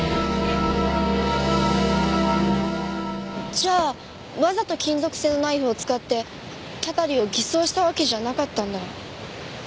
じゃあわざと金属製のナイフを使ってたたりを偽装したわけじゃなかったんだ。